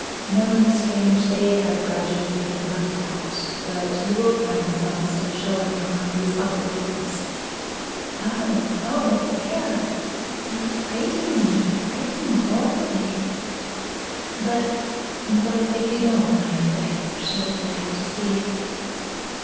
"No, Miss Strange; they have gradually been rubbed out, but you will find some still showing on these upper floors." "Oh! oh! where? You frighten me frighten me horribly! But but if you don't mind, I should like to see."